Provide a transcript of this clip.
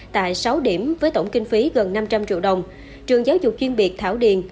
tại sáu điểm với tổng kinh phí gần năm trăm linh triệu đồng trường giáo dục chuyên biệt thảo điền